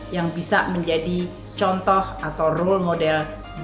yang bisa menjadi contoh atau role model